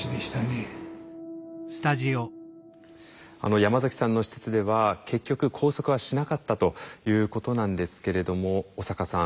山崎さんの施設では結局拘束はしなかったということなんですけれども小坂さん